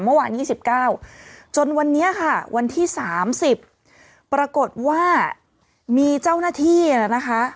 เมื่อวาน๒๙จนวันนี้ค่ะวันที่๓๐ปรากฏว่ามีเจ้าหน้าที่นะคะ